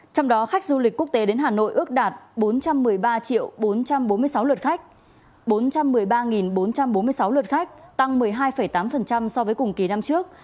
trong đó khách du lịch quốc tế đến hà nội ước đạt bốn trăm một mươi ba bốn trăm bốn mươi sáu lượt khách tăng một mươi hai tám so với cùng kỳ năm trước